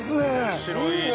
面白いね。